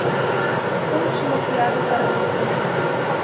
Conte uma piada para você